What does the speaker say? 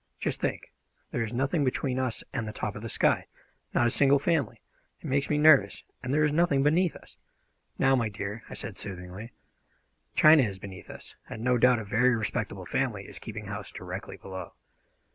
Just think; there is nothing between us and the top of the sky! Not a single family! It makes me nervous. And there is nothing beneath us!" "Now, my dear," I said soothingly, "China is beneath us, and no doubt a very respectable family is keeping house directly below."